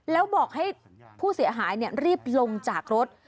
แล้วบอกให้ผู้เสียหายรีบลงจากรถ